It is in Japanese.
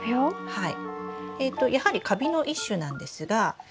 はい。